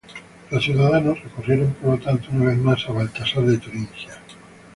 Los ciudadanos recurrieron, por lo tanto, una vez más a Baltasar de Turingia.